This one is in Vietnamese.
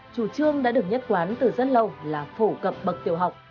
chủ trương đã được nhất quán từ rất lâu là phổ cập bậc tiểu học